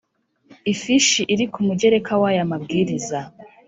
ifishi iri ku mugereka w aya mabwiriza